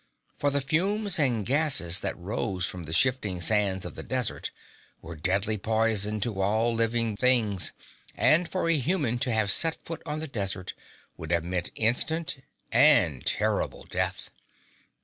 For the fumes and gasses that rose from the shifting sands of the desert were deadly poison to all living things, and for a human to have set foot on the desert would have meant instant and terrible death.